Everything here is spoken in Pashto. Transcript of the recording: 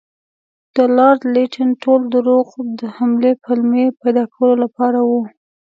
د لارډ لیټن ټول دروغ د حملې پلمې پیدا کولو لپاره وو.